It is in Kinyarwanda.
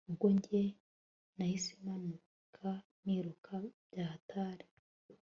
ubwo njye nahise manuka niruka byahatari